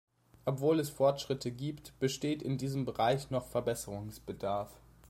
Obwohl es Fortschritte gibt, besteht in diesem Bereich noch Verbesserungsbedarf.